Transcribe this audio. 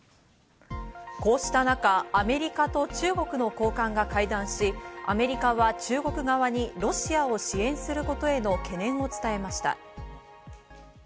こうした中、アメリカと中国の高官が会談し、アメリカは中国側にロシアを支援することへの懸念を伝えました。